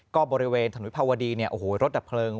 ก็บริเวณถนนวิภาวดีเนี่ยโอ้โหรถดับเพลิง